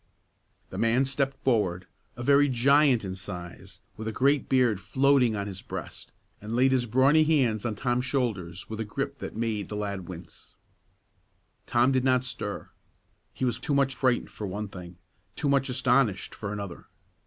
The man stepped forward, a very giant in size, with a great beard floating on his breast, and laid his brawny hands on Tom's shoulders with a grip that made the lad wince. Tom did not stir; he was too much frightened for one thing, too much astonished for another.